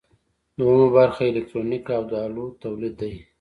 دوهم برخه الکترونیک او د الو تولید دی.